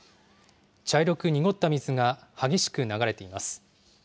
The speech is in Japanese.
茶色く濁った水が激しく流れています。